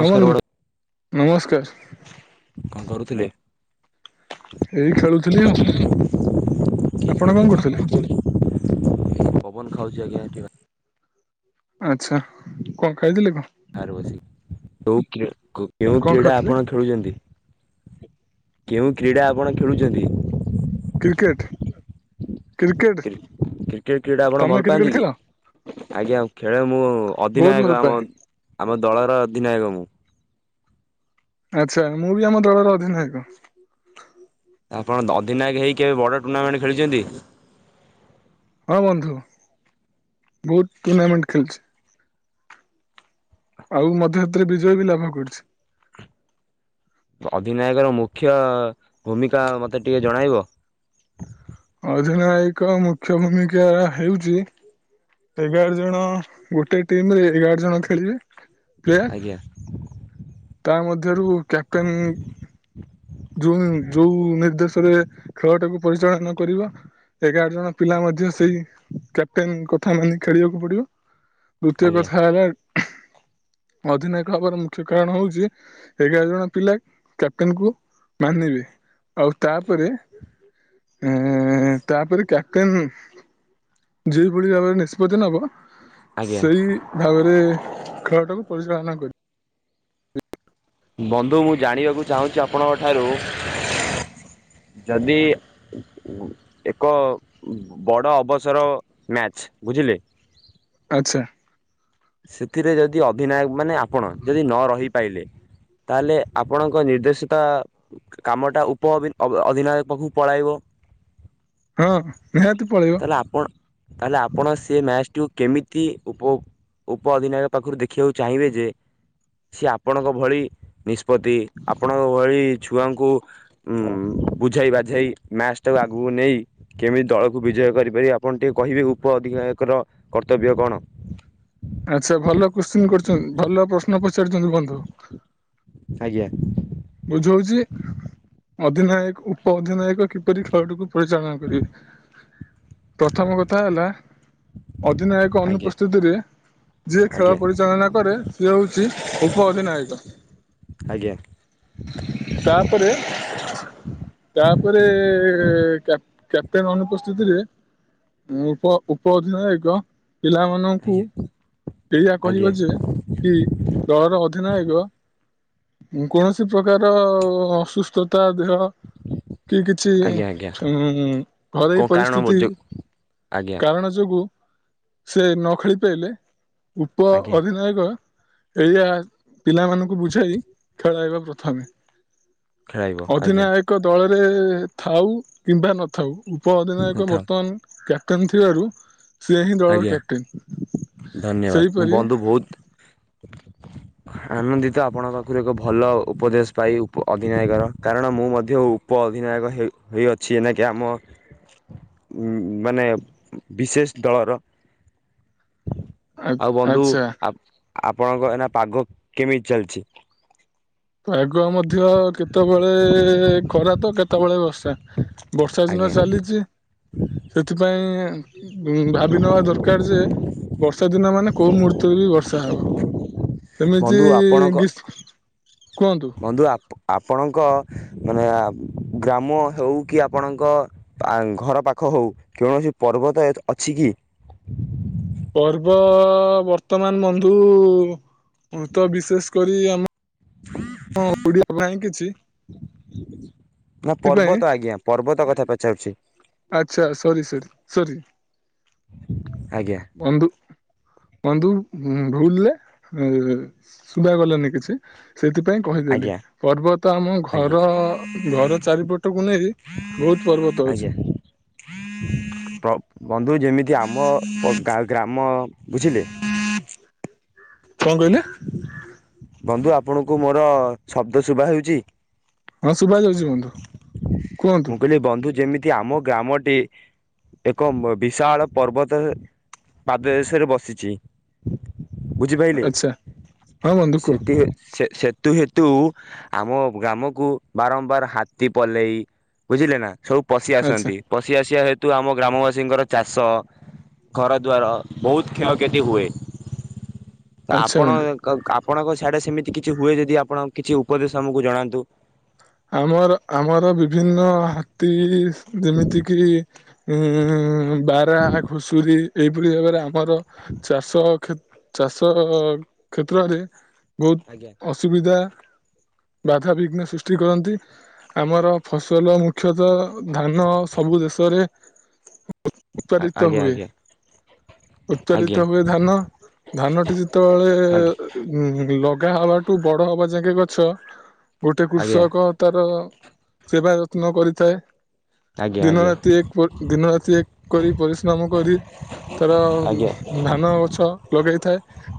ହଁ ବନ୍ଧୁ ବଡ଼ ନମସ୍କାର। କଁ କରୁଥିଲେ? ଏଇ ଖେଳୁଥିଲି ଆଉ ।ଆପଣ କଣ କରୁଥିଲେ? ପବନ ଖାଉଛି ଆଜ୍ଞା ଏଠି ବା ଆଚ୍ଛା କଣ ଖାଇଥିଲେ କଣ? ବାହାରେ ବସିକି କୋଉ କ୍ରୀ କୋ କେଉଁ କଣ କ୍ରୀଡ଼ା ଖାଉଥିଲେ ଆପଣ ଖେଳୁଚନ୍ତି? କେଉଁ କ୍ରୀଡ଼ା ଆପଣ ଖେଳୁଚନ୍ତି? କ୍ରିକେଟ କ୍ରିକେଟ କ୍ରି କ୍ରିକେଟ୍ କ୍ରୀଡା ଆପଣ ତମେ ଭଲ କ୍ରିକେଟ ପାଆନ୍ତି କି? ଖେଳ ଆଜ୍ଞା ଖେଳେ, ମୁଁ ବହୁତ ଭଲ ଅଧିନାୟକ ପାଏ ଆମ ଆମ ଦଳର ଅଧିନାୟକ ମୁଁ। ଆଚ୍ଛା ମୁଁ ବି ଆମ ଦଳର ଅଧିନାୟକ। ଆପଣ ଅଧିନାୟକ ହେଇକି କେବେ ବଡ଼ ଟୁର୍ଣ୍ଣାମେଣ୍ଟ ଖେଳିଚନ୍ତି? ହଁ ବନ୍ଧୁ ବହୁତ ଟୁର୍ଣ୍ଣାମେଣ୍ଟ ଖେଳିଛି। ଆଉ ମଧ୍ୟ ସେଥିରେ ବିଜୟ ବି ଲାଭ କରିଛି। ଅଧିନାୟକ ର ମୁଖ୍ୟ ଭୂମିକା ମତେ ଟିକେ ଜଣାଇବ। ଅଧିନାୟକ ମୁଖ୍ୟ ଭୂମିକା ହେଉଚି ଏଗାର ଜଣ ଗୋଟେ ଟିମରେ ଏଗାର ଜଣ ଖେଳିବେ। ପ୍ଲେୟାର ଆଜ୍ଞା। ତା ମଧ୍ୟରୁ କ୍ୟାପଟେନ୍ ଜୁନ୍ ଯୋଉ ନିର୍ଦ୍ଦେଶ କରିବେ ଖେଳଟାକୁ ପରିଚାଳନା କରିବା ଏଗାର ଜଣ ପିଲା ମଧ୍ୟ ସେଇ କ୍ୟାପଟେନ୍ ଙ୍କ କଥା ମାନି ଖେଳିବାକୁ ପଡିବ ଦୁତୀୟ ଆଜ୍ଞା କଥା ହେଲା ଅଧିନାୟକ ହବାର ମୁଖ୍ୟ କାରଣ ହଉଚି ଏଗାର ଜଣ ପିଲା କ୍ୟାପଟେନ କୁ ମାନିବେ ଆଉ ତାପରେ ଏଁ ତାପରେ କ୍ୟାପଟେନ୍ ଯେଉ ଭଳି ଭାବରେ ନିଷ୍ପତ୍ତି ନେବ, ଆଜ୍ଞା। ସେଇ ଭାବରେ ଖେଳଟାକୁ ପରିଚାଳନା କରି ବନ୍ଧୁ ମୁଁ ଜାଣିବାକୁ ଚାହୁଁଚି ଆପଣଙ୍କ ଠାରୁ [inaudible] ଯଦି ଏକ ବଡ ଅବସର ମ୍ୟାଚ ବୁ ଝିଲେ ଆଚ୍ଛା। ସେଥିରେ ଯଦି ଅଧିନାୟକ ମାନେ ଆପଣ ଯଦି ନ ରହିପାଇଲେ ତାହେଲେ ଆପଣଙ୍କ ନିର୍ଦ୍ଦେଶତା କାମଟା ଉପ ଅଧିନାୟକ ପାଖକୁ ପଳେଇବ। ହଁ ନିହାତି ପଳେଇବ [inaudible] ତାହେଲେ ଆପଣ ତାହେଲେ ଆପଣ ସେ ମ୍ୟାଚ ଟିକୁ କେମିତି ଉପଭୋ ଉପଅଧିନାୟକ ପାଖରୁ ଦେଖିବାକୁ ଚାହିଁବେ ଯେ ସିଏ ଆପଣଙ୍କ ଭଳି ନିସ୍ ପତି ଆପଣଙ୍କ ଭଳି ଛୁଆଙ୍କୁ ଉ ବୁଝାଇ ବାଝେଇ ମ୍ୟାଚ ଟାକୁ ଆଗକୁ ନେଇ କେମିତି ଦଳକୁ ବିଜେ କରିପାରିବେ ଆପଣ ଟିକେ କହିବେ ଉପ ଅଧିକାୟକର କର୍ତ୍ତବ୍ୟ କଣ? ଆଚ୍ଛା ଭଲ କୋଶ୍ଚି କରିଛନ୍ତି ଭଲ ପ୍ରଶ୍ନ ପଚାରିଛନ୍ତି ବନ୍ଧୁ। ଆଜ୍ଞା। ବୁଝଉଛି ଅଧିନାୟକ ଉପ ଅଧିନାୟକ କିପରି ଖେଳଟିକୁ ପରିଚାଳନା କରିବେ। ପ୍ରଥମ କଥା ହେଲା ଅଧିନାୟକ ଆଜ୍ଞା ଅନୁପସ୍ଥିତିରେ ଯିଏ ଖେଳ ଆଜ୍ଞା ପରିଚାଳନା କରେ ସେ ହଉଛି ଉପ ଅଧିନାୟକ। ଆଜ୍ଞା ତାପରେ [inaudible] ତାପରେ କ୍ୟାପ୍ କ୍ୟାପଟେନ ଅନୁପସ୍ଥିତିରେ ଉପ ଉପ ଅଧିନାୟକ ପିଲାମାନଙ୍କୁ ଆଜ୍ଞା ଏୟା ଆଜ୍ଞା କହିବ ଯେ କି ଦଳର ଅଧିନାୟକ କୌଣସି ପ୍ରକାର ଅସୁସ୍ଥତା ଦେହ କି କିଛି ଆଜ୍ଞା ଆଜ୍ଞା ଉ ଘରୋଇ କୋଉ କାରଣ ପରିସ୍ଥିତି ଯୋ ଆଜ୍ଞା କାରଣ ଯୋଗୁ ସେ ନ ଖେଳି ପାଇଲେ ଉପ ଆଜ୍ଞା ଅଧିନାୟକ ଏରିଆ ପିଲାମାନଙ୍କୁ ବୁଝାଇ ଖେଳାଇବ ପ୍ରଥମେ ଖେଳାଇବ [inaudible] ଆଜ୍ଞା ଅଧିନାୟକ ଦଳରେ ଥାଉ କିମ୍ବା ନଥାଉ ଉପ ଅଧିନାୟକ ଥାଉ ବର୍ତ୍ତମାନ କ୍ୟାପଟେନ୍ ଥିବାରୁ ସିଏ ହିଁ ଦଳର ଆଜ୍ଞା କ୍ୟାପଟେନ୍। [inaudible] ଧନ୍ୟବାଦ ମୁଁ ସେଇପରି ବନ୍ଧୁ ବହୁତ ହଁ [inaudible] ଆନନ୍ଦିତ ଆପଣଙ୍କ ପାଖରୁ ଏକ ଭଲ ଉପଦେଶ ପାଇ ଉପ ଅଧିନାୟକର କାରଣ ମୁଁ ମଧ୍ୟ ଉପ ଅଧି ନିର୍ଣ୍ଣୟାକ ହେଇ ଅଛି ଏନାକେ ଆମ [inaudible] ମାନେ ବିଶେଷ ଦଳର [inaudible] ଆଉ ବନ୍ଧୁ ଆଚ୍ଛା ଆ ଆପଣଙ୍କ ଏନା ପାଗ କେମିତି ଚାଲିଛି? ଆଗୁଆ ମଧ୍ୟ କେତେବେଳେ ଖରା ତ କେତେବେଳେ ବର୍ଷା। ବର୍ଷା ଦିନ ଆଜ୍ଞା ଚାଲିଛି ସେଥିପାଇଁ ଉ ଭାବି ନବା ଦରକାର ଯେ ବର୍ଷା ଦିନ ମାନେ କୋଉ ମୁହୂର୍ତ୍ତରେ ବି ବର୍ଷା ହବ। ସେମିତି ବନ୍ଧୁ ଆପଣଙ୍କ କୁହନ୍ତୁ [inaudible] ବନ୍ଧୁ ଆପଣଙ୍କ ମାନେ ଗ୍ରାମ ହେଉ କି ଆପଣଙ୍କ ଘର ପାଖ ହେଉ କୌଣସି ପର୍ବତ ଅଛି କି? ହ [inaudible] ପର୍ବ ବର୍ତ୍ତମାନ ବନ୍ଧୁ ତ ବିଶେଷ କରି ଆମେ ହଁ ଓଡିଆ ପାଇଁ କିଛି ନା ସେଥିପାଇଁ ପର୍ବତ ଆଜ୍ଞା ପର୍ବତ କଥା ପଚାରୁଛି। ଆଛା ସରି ସରି ସରି। ଆଜ୍ଞା [inaudible] ବନ୍ଧୁ ବନ୍ଧୁ ଭୁଲରେ ଶୁଭାଗଲାନି କିଛି ସେଇଥିପାଇଁ କହିଦେଲି ଆଜ୍ଞା ପର୍ବତ ଆମ ଆଜ୍ଞା ଘର ଘର ଚାରିପଟ ଟକୁ ନେଇ ବହୁତ ପର୍ବତ ଅଛି। ଆଜ୍ଞା। ପ୍ର ବନ୍ଧୁ ତୁ ଯେମିତି ଆମ ଗ୍ରାମ ବୁଝିଲେ କଣ କହିଲେ। ବନ୍ଧୁ ଆପଣଙ୍କୁ ମୋର ଶବ୍ଦ ଶୁଭା ହେଉଛି। ହଁ ଶୁଭା ଯାଉଛି ବନ୍ଧୁ କୁହନ୍ତୁ ମୁଁ କହିଲି ବନ୍ଧୁ ଯେମି ଠି ଆମ ଗ୍ରାମଟି ଏକ ବିଶାଳ ପର୍ବତ ପାଦଦେଶରେ ବସିଛି। ଆଛା ହଁ ବନ୍ଧୁ କୁହ ସେତି ସେ ସେ ତୁ ହେତୁ ଆମ ଗ୍ରାମକୁ ବାରମ୍ବାର ହାତୀ ପଲେଇ ବୁଝିଲେ ନା ସବୁ ପଶି ଆଚ୍ଛା ଆସନ୍ତି ପଶି ଆସିବା ହେତୁ ଆମ ଗ୍ରାମବାସୀଙ୍କର ଚାଷ ଘର ଦ୍ବାର ବହୁତ କ୍ଷୟକ୍ଷତି ହୁଏ ତ ଆଚ୍ଛା ଆପଣ ବନ୍ଧୁ ଆପଣଙ୍କ ସିଆଡେ ସେମିତି କିଛି ହୁଏ ଯଦି ଆପଣ କିଛି ଉପଦେଶ ଆମକୁ ଜଣାନ୍ତୁ ଆମର ଆମର ବିଭିନ୍ନ ହାତୀ ଯେମିତି କିି ଉଁ ବାରା ଖୁଷୁରୀ ଏଇପଳି ଭାବରେ ଆମର ଚାଷ ଚାଷ କ୍ଷେତ୍ରରେ ଆଜ୍ଞା ବହୁତ ଅସୁବିଧା ବାଧାବିଘ୍ନ ସୃଷ୍ଟି କରନ୍ତି, ଆମର ଫସଲ ମୁଖ୍ୟତଃ ଧାନ ସବୁ ଦେଶରେ ଉତ୍ପାଦିତ ଆଜ୍ଞା ହୁଏ ଆଜ୍ଞା। ଉତ୍ପାଦିତ ହୁଏ ଧାନ ଧାନଟି ଆଜ୍ଞା ଯେତେବେଳେ ଉ ଗା ହବାଠୁ ବଡ ହବା ଯାକେ ଗଛ ଗୋଟେ ଆଜ୍ଞା କୃଷକ ତାର ସେବା ଯତ୍ନ କରିଥାଏ। ଆଜ୍ଞା ଦିନ ଆଜ୍ଞା ରାତି ଏକ ଦିନ ରାତି ଏକ କରି ପରିଶ୍ରମ କରି ତାର ଆଜ୍ଞା ଧାନ ଗଛ ଲଗେଇଥାଏ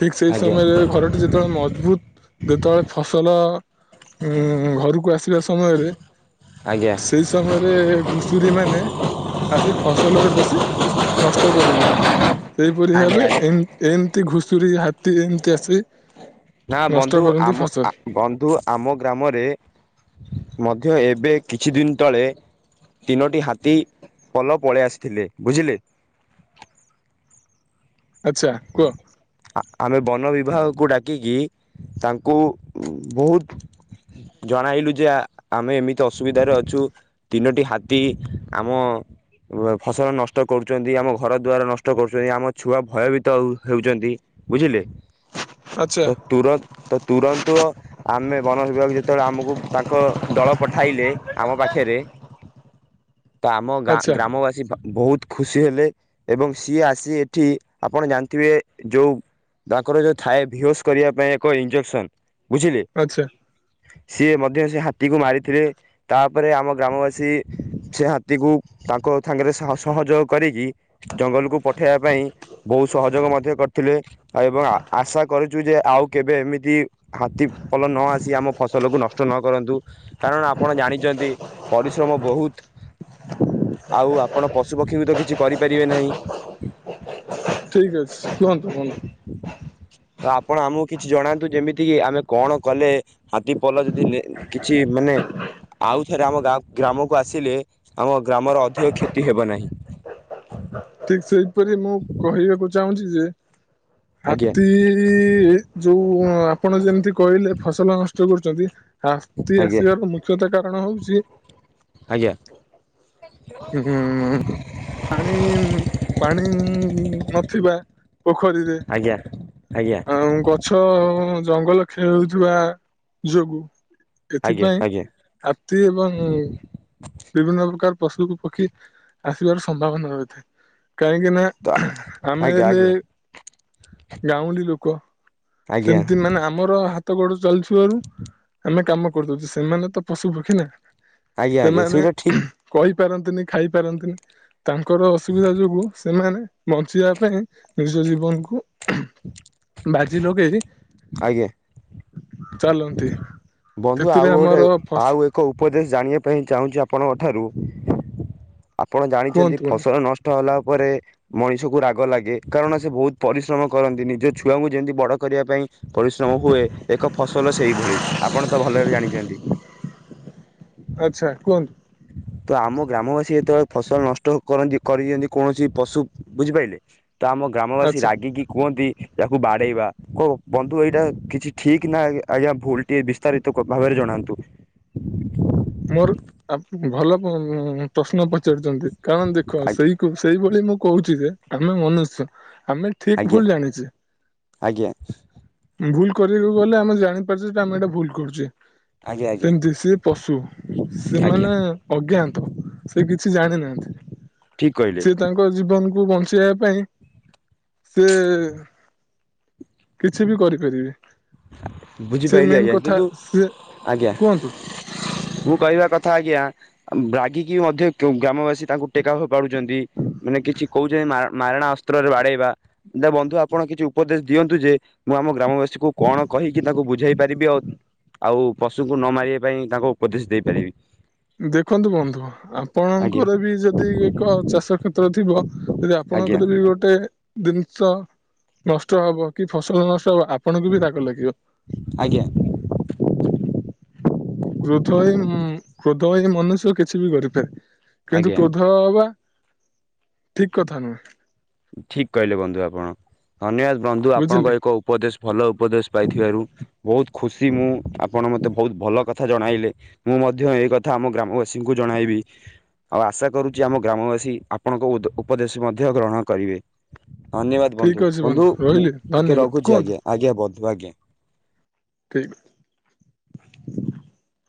ଠିକ ସେଇ ଆଜ୍ଞା ସମୟରେ ଘରଟି ଯେତେବେଳେ ମଜବୁତ ଯେତେବେଳେ ଫସଲ ଉଁ ଘରକୁ ଆସିବା ସମୟରେ ଆଜ୍ଞା ସେଇ ସମୟରେ ଘୁଷୁରୀ ମାନେ ଆସି ଫସଲରେ ପଶି ନଷ୍ଟ କରିଥାନ୍ତି ସେଇପରି ଭାବେ ଆଜ୍ଞା ଏମିତି ଘୁଷୁରୀ ହାତ ଏମିତି ଆସି ନା ନଷ୍ଟ ବନ୍ଧୁ କରନ୍ତି ଆମ ଫସଲ। ବନ୍ଧୁ ଆମ ଗ୍ରାମରେ ମଧ୍ୟ ଏବେ କିଛି ଦିନ ତଳେ ତିନୋଟି ହାତୀ ପଲ ପଳେଇ ଆସିଥିଲେ ବୁଝିଲେ ଆଚ୍ଛା କୁହ। ଆମେ ବନ ବିଭାଗକୁ ଡାକିକି ତାଙ୍କୁ ବହୁତ ଜଣାଇଲୁ ଯେ ଆମେ ଏମିତି ଅସୁବିଧାରେ ଅଛୁ ତିନୋଟି ହାତୀ ଆମ ଫସଲ ନଷ୍ଟ କରୁଛନ୍ତି ଆମ ଘର ଦ୍ଵାର ନଷ୍ଟ କରୁଛନ୍ତି ଆମ ଛୁଆ ଭୟଭୀତ ହେଉଛନ୍ତି। ବୁଝିଲେ ଆଚ୍ଛା ତ ତ ତ ତୁରନ୍ତ ଆମେ ବନ ଯେତେବେଳେ ଆମକୁ ତାଙ୍କ ଦଳ ପଠାଇଲେ ଆମ ପାଖରେ ତ ଆମ ଗାଁ ଆଚ୍ଛା ଗ୍ରାମବାସୀ ବହୁତ ଖୁସି ହେଲେ ଏବଂ ସିଏ ଆସି ଏଠି ଆପଣ ଜାଣିଥିବେ ଯୋଉ ତାଙ୍କର ଯୋଉ ଥାଏ ବେହୋସ କରିବା ପାଇଁ ଏକ ଇଞ୍ଜେକ୍ସନ ବୁଝିଲେ। ଆଚ୍ଛା ସିଏ ମଧ୍ୟ ସେ ହାତୀକୁ ମାରିଥିଲେ ତାପରେ ଆମ ଗ୍ରାମବାସୀ ସେ ହାତୀକୁ ତାଙ୍କ ସାଙ୍ଗରେ ସହଯୋଗ କରିକି ଜଙ୍ଗଲକୁ ପଠେଇବା ପାଇଁ ବହୁ ସହଯୋଗ ମଧ୍ୟ କରିଥିଲେ। ଏବଂ ଆଶା କରୁଛୁ ଯେ ଆଉ କେବେ ଏମିତି ହାତୀପଲ ନ ଆସି ଆମ ଫସଲକୁ ନଷ୍ଟ ନ କରନ୍ତୁ, କାରଣ ଆପଣ ଜାଣିଛନ୍ତି ପରିଶ୍ରମ ବହୁତ ଆଉ ଆପଣ ପଶୁ ପକ୍ଷୀଙ୍କୁ ତ କିଛି କରିପାରିବେ ନାହିଁ ଠିକ ଅଛି କୁହନ୍ତୁ କୁହନ୍ତୁ ତ ଆପଣ ଆମକୁ କିଛି ଜଣାନ୍ତୁ ଯେମିତି କିି ଆମେ କଣ କଲେ ହାତୀ ପଲ ଯଦି କିଛି ମେ ଆଉଥରେ ଆମ ଗ୍ରାମକୁ ଆସିଲେ ଆମ ଗ୍ରାମର ଅଧିକ କ୍ଷତି ହେବ ନାହିଁ। ଠିକ ସେଇପରି ମୁଁ କହିବାକୁ ଚାହୁଁଛି ଯେ ଆଜ୍ଞା ହାତୀ ଯୋଉ ଆପଣ ଯେମିତି କହିଲେ ଫସଲ ନଷ୍ଟ କରୁ ଛନ୍ତି ଆଜ୍ଞା ଆସିବାର ମୁଖ୍ୟତ କାରଣ ହଉଛି ଆଜ୍ଞା ହୁଁ। ପାଣି ନଥିବା ପୋଖରୀରେ ଆଜ୍ଞା ଆଜ୍ଞା ଆଉ ଗଛ ଜଙ୍ଗଲ ଖେଳଉଥିବା ଯୋଗୁ ଆଜ୍ଞା ଏଥିପାଇଁ ଆଜ୍ଞା ହାତୀ ଏବଂ ବିଭିନ୍ନ ପ୍ରକାର ପଶୁକୁ ପକ୍ଷୀ ଆସିବାର ସମ୍ଭାବନା ରହିଥାଏ। କାହିଁକି ନା ତ ଆମେ ଆଜ୍ଞା ହେଲେ ଆଜ୍ଞା ଗାଉଁଲି ଲୋକ ଆଜ୍ଞା ସେମତି ମାନେ ଆମର ହାତ ଗୋଡ ଚାଲିଥିବାରୁ ଆମେ କାମ କରଦଉଛେ ସେମାନେ ତ ପଶୁ ପକ୍ଷୀ ନା ଆଜ୍ଞା ଆଜ୍ଞା ସେମାନେ ସେଇଟା ଠିକ୍ କହି ପାରନ୍ତିନି ଖାଇ ପାରନ୍ତିନି ତାଙ୍କର ଅସୁବିଧା ଯୋଗୁ ସେମାନେ ବଞ୍ଚିବା ପାଇଁ ନିଜ ଜୀବନକୁୁ [unintelligible] ଆଜ୍ଞା ଚାଲନ୍ତି। ବନ୍ଧୁ ଆଉ ସେଥିରେ ଗୋଟେ ଆମର ଫସ ଆଉ ଏକ ଉପଦେଶ ଜାଣିବା ପାଇଁ ଚାହୁଁଛି ଆପଣଙ୍କ ଠାରୁ ଆପଣ ଜାଣିଛନ୍ତି କୁହନ୍ତୁ ଫସଲ ନଷ୍ଟ ହେଲା ଫଳରେ ମଣିଷକୁ ରାଗ ଲାଗେ କାରଣ ସେ ବହୁତ ପରିଶ୍ରମ କରନ୍ତି। ନିଜ ଛୁଆଙ୍କୁ ଯେମିତି ବଡ କରିବା ପାଇଁ ପରିଶ୍ରମ ହୁଏ ଏକ ଫସଲ ସେଇଭଳି ଆପଣ ତ ଭଲରେ ଜାଣିଛନ୍ତି ଆଚ୍ଛା କୁହନ୍ତୁ। ତ ଆମ ଗ୍ରାମବାସୀ ଯେତେବେଳେ ଫସଲ ନଷ୍ଟ କରନ୍ତି। କରିଛନ୍ତି କୌଣସି ପଶୁ ବୁଝିପାରିଲେ ତ ଆମ ଗ୍ରାମବାସୀ ଆଚ୍ଛା ରାଗିକି କୁହନ୍ତି ଯାକୁ ବାଡେଇବା କ ବନ୍ଧୁ ଏଇଟା କିଛି ଠିକ ନା ଆଜ୍ଞା ଭୁଲ? ଟିକେ ବିସ୍ତାରିତ ଭାବରେ ଜଣାନ୍ତୁ। ମୋର ଭଲ ପ୍ରଶ୍ନ ପଚାରିଛନ୍ତି? କାରଣ ଦେଖ ଆଜ୍ଞା ସେଇ ସେଇଭଳି ମୁଁ କହୁଛି ଯେ ଆମେ ମନୁଷ୍ୟ ଆମେ ଠିକ ଆଜ୍ଞା ଭୁଲ ଜାଣିଛେ ଆଜ୍ଞା ଭୁଲ କରିବାକୁ ଗଲେ ଆମେ ଜାଣିପାରୁଛେ, ଯେ ଆମେ ଏଇଟା ଭୁଲ କରୁଛେ ଆଜ୍ଞା ଆଜ୍ଞା ଆଜ୍ଞା ସେମିତି ସିଏ ପଶୁ ଆଜ୍ଞା ସେମାନେ ଅଜ୍ଞାନ୍ତ ସେ କିଛି ଜାଣି ନାହାନ୍ତି।। ଠିକ୍ କହିଲେ ସେ ତାଙ୍କ ଜୀବନକୁ କୁ ବଞ୍ଚେଇବା ପାଇଁ ସେ କିଛି ବି କରିପାରିବେ। ସେ ବୁଝିପାରିଲିି ମେନ୍ ଆଜ୍ଞା କଥା କିନ୍ତୁ ସେ ଆଜ୍ଞା କୁହନ୍ତୁ। ମୁଁ କହିବା କଥା ଆଜ୍ଞା ରାଗିକି ମଧ୍ୟ ଗ୍ରାମବାସୀ ତାଙ୍କୁ ଟେକାପାରୁଛନ୍ତି। ମାନେ କିଛି କିଛି କହୁଛନ୍ତି ମାରଣା ଅସ୍ତ୍ରରେ ବାଡେଇବା ବନ୍ଧୁ ଆପଣ କିଛି ଉପଦେଶ ଦିଅନ୍ତୁ, ଯେ ମୁଁ ଆମ ଗ୍ରାମବାସୀକୁ କଣ କହିକି ତାଙ୍କୁ ବୁଝେଇ ପାରିବି ଆଉ ଆଉ ପଶୁଙ୍କୁ ନ ମାରିବା ପାଇଁ ତାଙ୍କୁ ଉପଦେଶ ଦେଇପାରିବି। ଦେଖନ୍ତୁ ବନ୍ଧୁ ଆଜ୍ଞା ଆପଣଙ୍କର ବି ଯଦି ଏକ ଚାଷ କ୍ଷେତ୍ର ଥିବ ଯଦି ଆଜ୍ଞା ଆପଣଙ୍କର ବି ଗୋଟେ ଜିନିଷ ନଷ୍ଟ ହବ କି ଫସଲ ନଷ୍ଟ ତ ଆପଣଙ୍କୁ ବି ରାଗ ଲାଗିବ। ଆଜ୍ଞା କ୍ରୋଧ ହ କ୍ରୋଧ ହେଇ ମନୁଷ୍ୟ କିଛି ବି କରିଥାଏ। କିନ୍ତୁ ଆଜ୍ଞା କ୍ରୋଧ ହବା ଠିକ କଥା ନୁହେଁ। ଠିକ କହିଲେ ବନ୍ଧୁ ଆପଣ ଧନ୍ୟବାଦ। ବନ୍ଧୁ ବୁଝିଲେ ଆପଣଙ୍କ ଏକ ଉପଦେଶ ଭଲ ଉପଦେଶ ପାଇଥିବାରୁ ବହୁତ ଖୁସି ମୁଁ ଆପଣ ମତେ ବହୁତ ଭଲ କଥା ଜଣାଇଲେ, ମୁଁ ମଧ୍ୟ ଏଇ କଥା ଆମ ଗ୍ରାମବାସୀଙ୍କୁ ଜଣାଇବି। ଆଉ ଆଶା କରୁଛି ଆମ ଗ୍ରାମବାସୀ ଆପଣଙ୍କ ଉପଦେଶ ମଧ୍ୟ ଗ୍ରହଣ କରିବେ। ଧନ୍ୟବାଦ ଠିକ ବନ୍ଧୁ ଅଛି ବନ୍ଧୁ ମୁଁ ରହିଲି ଟିକେ ଧନ୍ୟବାଦ ରଖୁଛି କୁହନ୍ତୁ ଆଜ୍ଞା ଆଜ୍ଞା ବନ୍ଧୁ ଆଜ୍ଞା। [unintelligible]